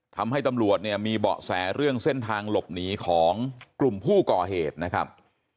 ทำให้ตำรวจเนี่ยมีเบาะแสเรื่องเส้นทางหลบหนีของกลุ่มผู้ก่อเหตุนะครับ